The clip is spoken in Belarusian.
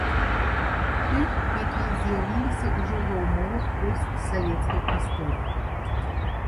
Тых, якія з'явіліся ўжо ва ўмовах постсавецкай прасторы.